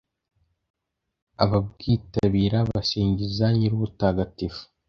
ababwitabira basingiza nyir'ubutagatifu